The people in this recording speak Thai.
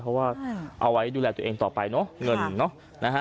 เพราะว่าเอาไว้ดูแลตัวเองต่อไปเนอะเงินเนอะนะฮะ